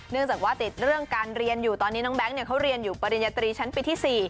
จากว่าติดเรื่องการเรียนอยู่ตอนนี้น้องแก๊งเขาเรียนอยู่ปริญญาตรีชั้นปีที่๔